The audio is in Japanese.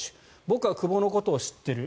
僕は久保のことを知っている。